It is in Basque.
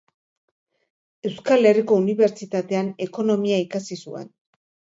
Euskal Herriko Unibertsitatean ekonomia ikasi zuen.